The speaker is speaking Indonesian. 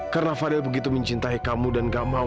karena fadil begitu mencintai kamu dan kamu